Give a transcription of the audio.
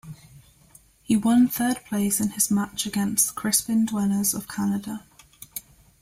He won third place in his match against Crispin Duenas of Canada.